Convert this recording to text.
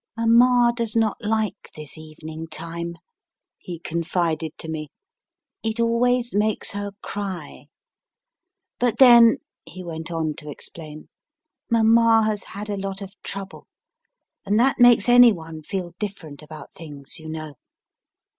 Mama does not like this evening time, he con fided to me ; it always makes her cry. But then, he went on to explain, Mama has had a lot of trouble, and that makes anyone feel different about things, you know.